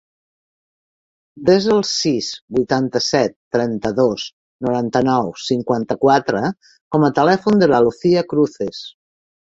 Desa el sis, vuitanta-set, trenta-dos, noranta-nou, cinquanta-quatre com a telèfon de la Lucía Cruces.